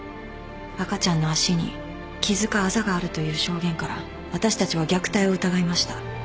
赤ちゃんの脚に傷かあざがあるという証言から私たちは虐待を疑いました。